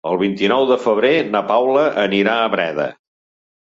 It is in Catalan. El vint-i-nou de febrer na Paula anirà a Breda.